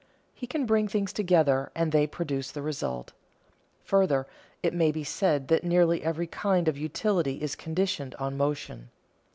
He can bring things together and they produce the result. Further, it may be said that nearly every kind of utility is conditioned on motion.